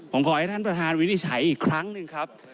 ผมขอให้ท่านประธานวินิจฉัยอีกครั้งหนึ่งครับ